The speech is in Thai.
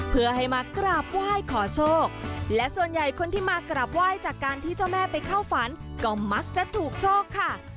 เพื่อให้มากราบไหว้ขอโชคและส่วนใหญ่คนที่มากราบไหว้จากการที่เจ้าแม่ไปเข้าฝันก็มักจะถูกโชคค่ะ